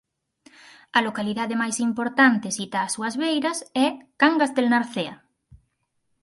A localidade máis importante sita ás súas beiras é Cangas del Narcea.